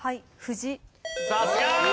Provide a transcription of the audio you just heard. さすが！